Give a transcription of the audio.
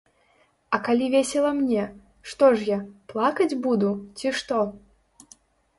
А калі весела мне, што ж я, плакаць буду, ці што?